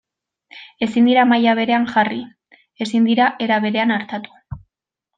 Ezin dira maila berean jarri, ezin dira era berean artatu.